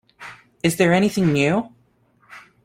Is there anything new?